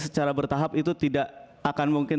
secara bertahap itu tidak akan mungkin